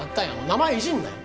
名前いじるなよ！